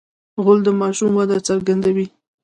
غول د ماشوم وده څرګندوي.